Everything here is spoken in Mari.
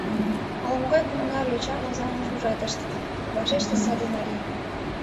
Ала-могай коммунар йочам Озаҥыш ужатышт, — вашештыш саде марий.